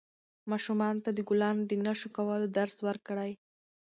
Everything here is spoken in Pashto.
ماشومانو ته د ګلانو د نه شکولو درس ورکړئ.